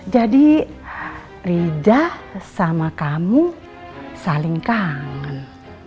jadi ridha sama kamu saling kangen